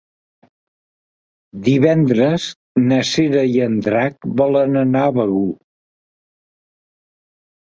Divendres na Cira i en Drac volen anar a Begur.